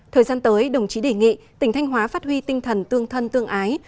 thời gian tới đồng chí đề nghị tỉnh thanh hóa phát huy tinh thần tương thân tương ái